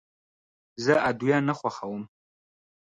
زه ادویه نه خوښوم.